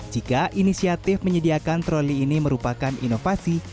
jika inisiatif menyediakan troli ini merupakan inovasi